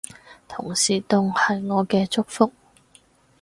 同時當係我嘅祝福